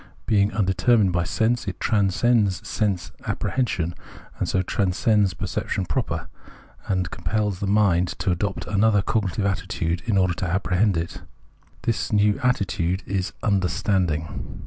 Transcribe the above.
Being undetermined by^sense, it transcends sense appre hension, and so transcends perception proper, and compels the mind to adopt another cognitive attitude in order to apprehend it. This new atti tude is Understanding.